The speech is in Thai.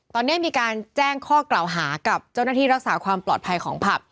ตอนนี้มีการแจ้งข้อกล่าวหากับเจ้าหน้าที่รักษาความปลอดภัยของผับ